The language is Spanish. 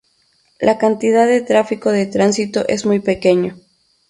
La cantidad de tráfico de tránsito es muy pequeño.